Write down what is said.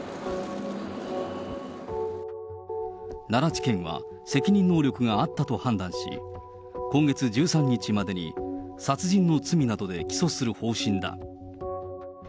奈良地検は、責任能力があったと判断し、今月１３日までに殺人の罪などで起訴する方針だ。